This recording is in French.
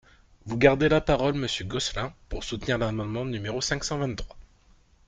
Vous gardez la parole, monsieur Gosselin, pour soutenir l’amendement numéro cinq cent vingt-trois.